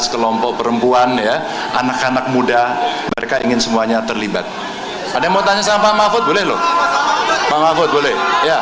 kemampuan ya anak anak muda mereka ingin semuanya terlibat ada mau tanya sama mafud boleh loh